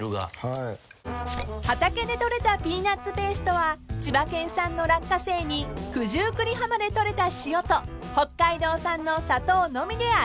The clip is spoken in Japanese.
［畑で採れたピーナッツペーストは千葉県産の落花生に九十九里浜でとれた塩と北海道産の砂糖のみで味付け］